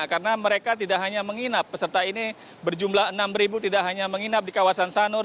karena mereka tidak hanya menginap peserta ini berjumlah enam tidak hanya menginap di kawasan sanur